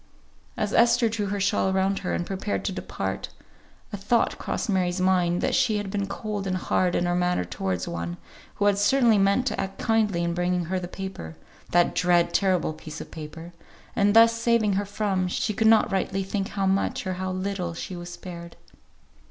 As Esther drew her shawl around her, and prepared to depart, a thought crossed Mary's mind that she had been cold and hard in her manner towards one, who had certainly meant to act kindly in bringing her the paper (that dread, terrible piece of paper) and thus saving her from she could not rightly think how much, or how little she was spared.